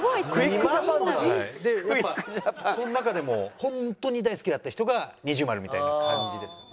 その中でもホントに大好きだった人が二重丸みたいな感じですね。